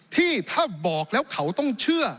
ที่ถ้าบอกแล้วเขาต้องเชื่อ